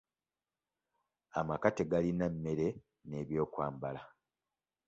Amaka tegalina mmere n'ebyokwambala.